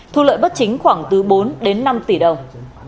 thu lợi bất chính khoảng từ bốn đến năm tỷ đồng